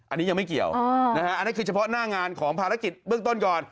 อันนี้ยังไม่เกี่ยวนะฮะอันนั้นคือเฉพาะหน้างานของภารกิจเบื้องต้นก่อน